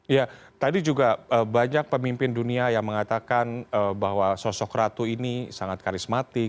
ya tadi juga banyak pemimpin dunia yang mengatakan bahwa sosok ratu ini sangat karismatik